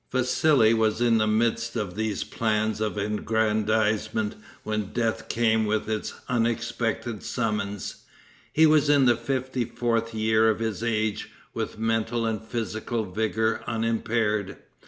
Vassili was in the midst of these plans of aggrandizement when death came with its unexpected summons. He was in the fifty fourth year of his age, with mental and physical vigor unimpaired.